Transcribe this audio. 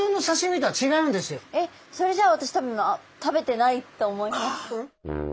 えっそれじゃあ私多分食べてないと思います。